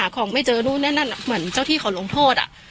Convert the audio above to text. ของไม่เจอนู่นนี่นั่นเหมือนเจ้าที่เขาลงโทษ